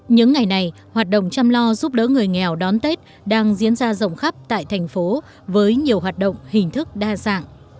những ngày này hoạt động chăm lo giúp đỡ người nghèo đón tết đang diễn ra rộng khắp tại thành phố với nhiều hoạt động hình thức đa dạng